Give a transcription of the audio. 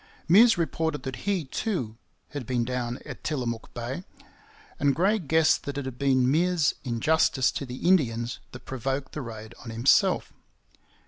Meares reported that he, too, had been down at Tillamook Bay; and Gray guessed that it had been Meares's injustice to the Indians that provoked the raid on himself.